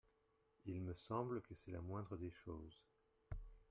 Il me semble que c’est la moindre des choses.